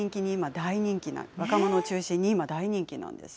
若者を中心に今、大人気なんです。